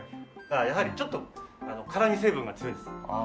やはりちょっと辛み成分が強いんです。